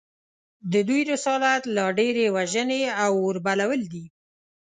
د دوی رسالت لا ډېرې وژنې او اوربلول دي